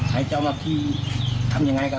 ให้เจ้ามาที่ทำยังไงกัและ